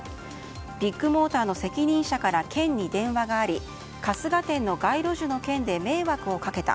ビッグモーターの責任者から県に電話があり春日店の街路樹の県で迷惑をかけた。